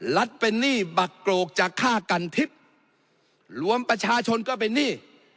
เป็นหนี้บักโกรกจากฆ่ากันทิพย์รวมประชาชนก็เป็นหนี้